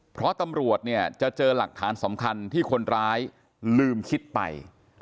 เพราะตำรวจเนี่ยจะเจอหลักฐานสำคัญที่คนร้ายลืมคิดไป